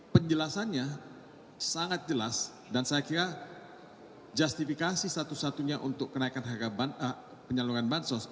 penjelasannya sangat jelas dan saya kira justifikasi satu satunya untuk penyaluran bansos